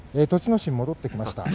心戻ってきました。